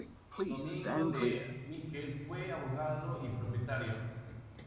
Domingo de Miquel fue abogado y propietario.